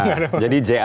enggak ada hubungannya